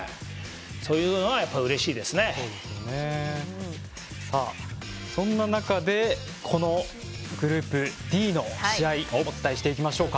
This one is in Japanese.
そういうのはそんな中でこのグループＤの試合をお伝えしていきましょうか。